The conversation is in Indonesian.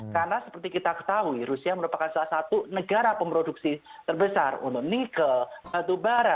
karena seperti kita ketahui rusia merupakan salah satu negara pemroduksi terbesar untuk nikel